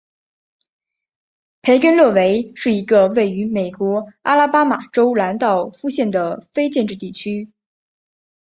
培根勒韦是一个位于美国阿拉巴马州兰道夫县的非建制地区。